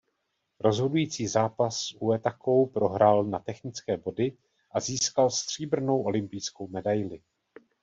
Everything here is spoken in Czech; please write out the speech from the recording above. Rozhodující zápas s Uetakou prohrál na technické body a získal stříbrnou olympijskou medaili.